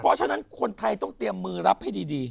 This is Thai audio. เพราะฉะนั้นคนไทยต้องเตรียมมือรับให้ดี